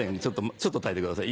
ちょっと耐えてください